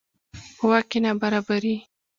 په واک کې نابرابري.